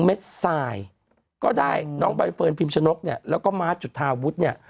เม็ดทรายก็ได้น้องใบเฟิร์นพิมชนกเนี่ยแล้วก็มาร์ทจุธาวุฒิเนี่ย